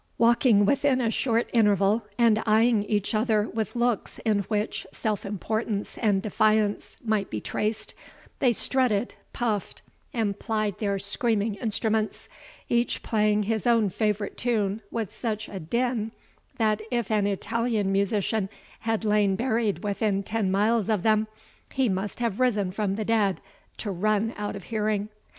Walking within a short interval, and eyeing each other with looks in which self importance and defiance might be traced, they strutted, puffed, and plied their screaming instruments, each playing his own favourite tune with such a din, that if an Italian musician had lain buried within ten miles of them, he must have risen from the dead to run out of hearing.